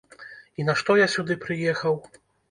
І нашто я сюды прыехаў?